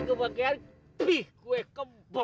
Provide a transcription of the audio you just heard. kebukaan pih kue kempo